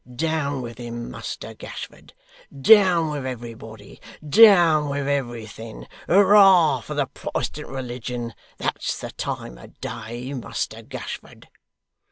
Down with him, Muster Gashford. Down with everybody, down with everything! Hurrah for the Protestant religion! That's the time of day, Muster Gashford!